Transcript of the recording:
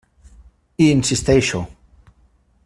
Hi insisteixo.